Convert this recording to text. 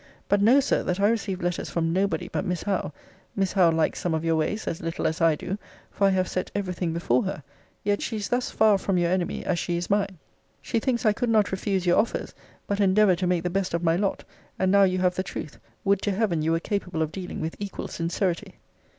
But know, Sir, that I received letters from nobody but Miss Howe. Miss Howe likes some of your ways as little as I do; for I have set every thing before her. Yet she is thus far your enemy, as she is mine. She thinks I could not refuse your offers; but endeavour to make the best of my lot. And now you have the truth. Would to heaven you were capable of dealing with equal sincerity!